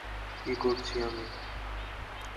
কী করছি আমি?